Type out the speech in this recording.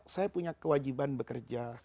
saya punya kewajiban bekerja